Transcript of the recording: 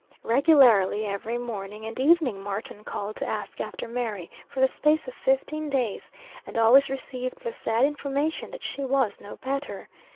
Regularly every morning and evening Martin called to ask after Mary, for the space of fifteen days, and always received the sad information that she was no better.